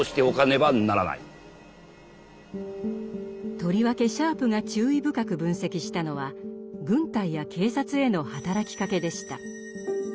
とりわけシャープが注意深く分析したのは軍隊や警察への働きかけでした。